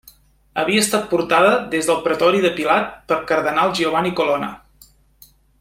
Havia estat portada des del pretori de Pilat pel cardenal Giovanni Colonna.